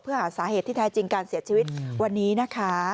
เพื่อหาสาเหตุที่แท้จริงการเสียชีวิตวันนี้นะคะ